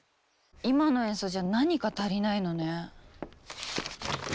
今の演奏じゃ何か足りないのね。